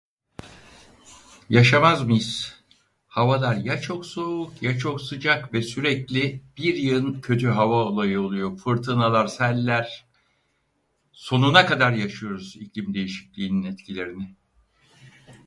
Yaşamaz mıyız?! Havalar ya çok soğuuk, ya çok sıcak ve sürekli bir yığın kötü hava olayı oluyo, fırtınalar, seller... Sonuna kadar yaşıyoruz iklim değişikliğinin etkilerini!